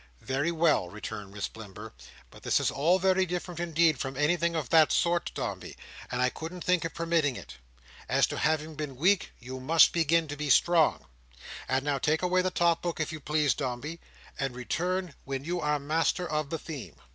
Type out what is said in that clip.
"Very well," returned Miss Blimber; "but this is all very different indeed from anything of that sort, Dombey, and I couldn't think of permitting it. As to having been weak, you must begin to be strong. And now take away the top book, if you please, Dombey, and return when you are master of the theme."